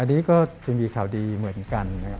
อันนี้ก็จะมีข่าวดีเหมือนกันนะครับ